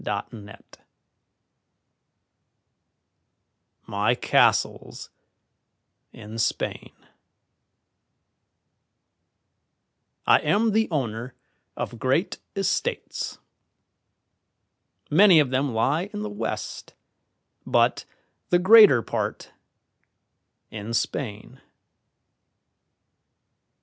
Lowell MY CASTLES IN SPAIN I am the owner of great estates. Many of them lie in the west, but the greater part in Spain.